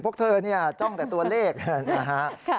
พวกเธอเนี่ยจ้องแต่ตัวเลขนะฮะ